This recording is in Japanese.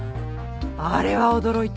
あれは驚いた。